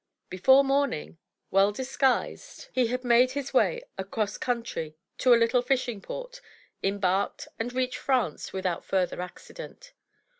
Before morning, well disguised, 32s M Y BOOK HOUSE he had made his way across country to a little fishing port, em barked, and reached France without further accident.